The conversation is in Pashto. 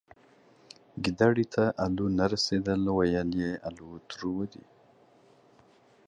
گيدړي ته الو نه رسيدل ، ويل يې الوتروش.